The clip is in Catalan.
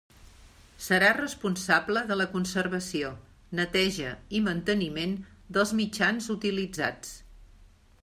Serà responsable de la conservació, neteja i manteniment dels mitjans utilitzats.